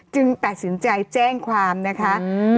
ตัดสินใจแจ้งความนะคะ